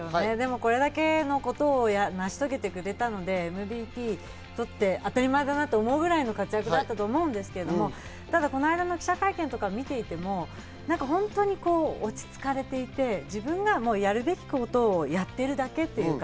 これだけのことを成し遂げてくれたのでＭＶＰを取って当たり前だと思うぐらいの活躍だったと思うんですけど、ただこの間の記者会見とかを見ていても本当に落ち着かれていて自分がやるべきことをやっているだけっていうか。